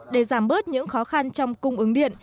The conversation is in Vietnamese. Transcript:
để giảm bớt những khó khăn trong cung ứng điện